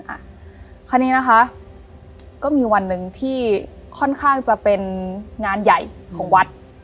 อันนี้นะคะก็มีวันหนึ่งที่ค่อนข้างจะเป็นงานใหญ่ของวัด